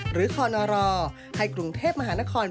คอนรให้กรุงเทพมหานคร